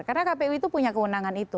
karena kpu itu punya kewenangan itu